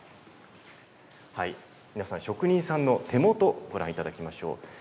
皆さん、職人さんの手元をご覧いただきましょう。